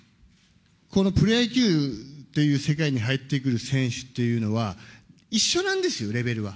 このプロ野球という世界に入ってくる選手っていうのは、一緒なんですよ、レベルは。